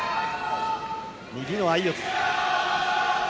右の相四つ。